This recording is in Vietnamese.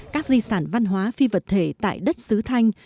các di sản văn hóa phi vật thể tại đất sứ thanh